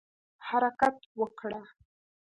حرکت وکړه